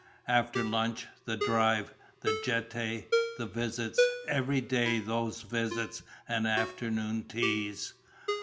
After lunch, the drive, the Jetée, the visits; every day, those visits and afternoon teas.